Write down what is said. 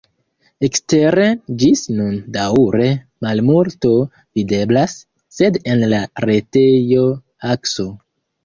Eksteren ĝis nun daŭre malmulto videblas, sed en la retejo Akso.